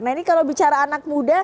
nah ini kalau bicara anak muda